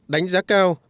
đánh giá cao